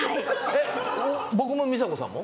僕も美佐子さんも？